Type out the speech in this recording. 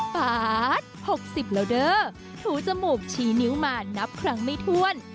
ปาด๖๐แล้วเด้อถูจมูกชี้นิ้วมานับครั้งไม่ถ้วน